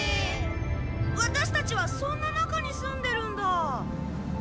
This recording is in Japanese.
ワタシたちはそんな中に住んでるんだ。